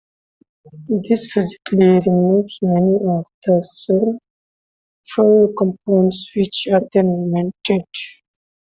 This physically removes many of the sulfur compounds, which are then vented.